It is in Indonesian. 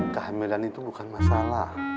kehamilan itu bukan masalah